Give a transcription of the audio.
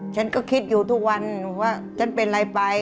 ฉันก็คิดอยู่ทุกวันว่าฉันเป็นอะไรไป